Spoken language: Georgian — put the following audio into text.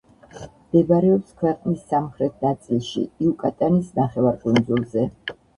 მდებარეობს ქვეყნის სამხრეთ ნაწილში, იუკატანის ნახევარკუნძულზე.